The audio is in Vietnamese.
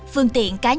phương tiện cá nhân